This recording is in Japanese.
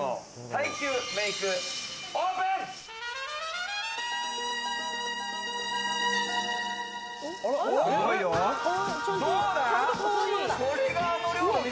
耐久メイク、オープン！